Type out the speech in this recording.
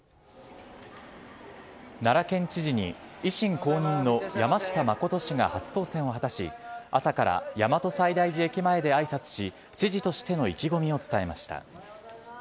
奈良県知事に維新公認の山下真氏が初当選を果たし、朝から大和西大寺駅前であいさつし、知事としての意気込みを伝えました。